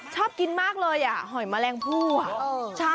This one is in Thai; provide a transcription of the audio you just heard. ชอบกินมากเลยอ่ะหอยแมลงผู้อ่ะ